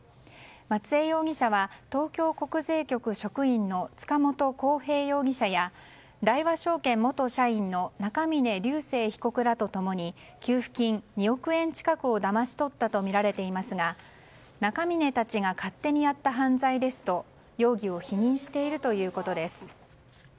松江容疑者は東京国税局職員の塚本晃平容疑者や大和証券元社員の中峯竜晟被告らと共に給付金２億円近くをだまし取ったとみられていますが中峯たちが勝手にやった犯罪ですと容疑を否認しているということです。